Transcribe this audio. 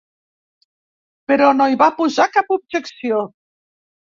Però no hi va posar cap objecció.